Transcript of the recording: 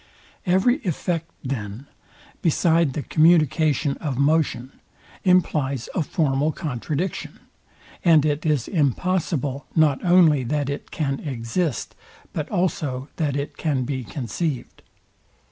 Every effect, then, beside the communication of motion, implies a formal contradiction; and it is impossible not only that it can exist, but also that it can be conceived.